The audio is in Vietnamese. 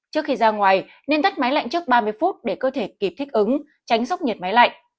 trước khi ra ngoài nên tắt máy lạnh trước ba mươi phút để cơ thể kịp thích ứng tránh sốc nhiệt máy lạnh